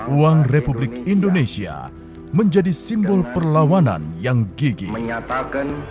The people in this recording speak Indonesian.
uang republik indonesia menjadi simbol perlawanan yang gigi